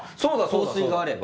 香水があれば。